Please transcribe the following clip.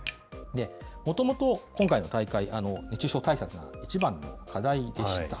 もともと今回の大会、熱中症対策が一番の課題でした。